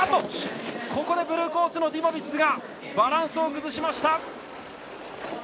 ここでブルーコースのデュモビッツがバランスを崩しました！